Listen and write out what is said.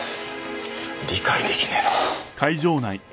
理解できねえな。